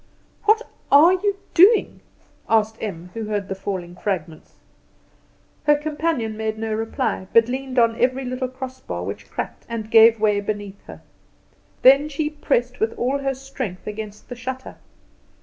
"What are you doing?" asked Em, who heard the falling fragments. Her companion made her no reply; but leaned on every little cross bar, which cracked and gave way beneath her. Then she pressed with all her strength against the shutter.